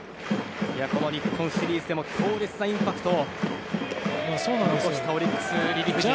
日本シリーズでも強烈なインパクトを残したオリックスリリーフ陣。